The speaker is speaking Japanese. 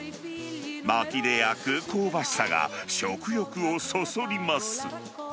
まきで焼く香ばしさが、食欲をそそります。